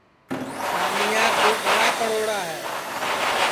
سانیا کُو گڑا پڑوڑا ہے